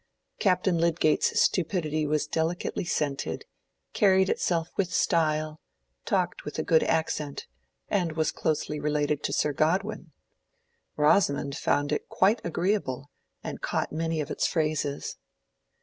Captain Lydgate's stupidity was delicately scented, carried itself with "style," talked with a good accent, and was closely related to Sir Godwin. Rosamond found it quite agreeable and caught many of its phrases.